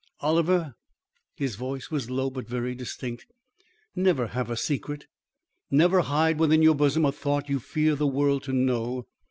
"Oliver" his voice was low but very distinct, "never have a secret; never hide within your bosom a thought you fear the world to know.